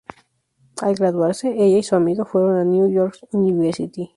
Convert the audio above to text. Al graduarse, ella y su amigo fueron a New York University.